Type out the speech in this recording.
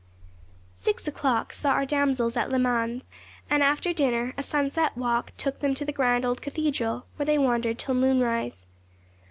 Six o'clock saw our damsels at Le Mans; and, after dinner, a sunset walk took them to the grand old cathedral, where they wandered till moonrise.